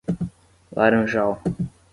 Laranjal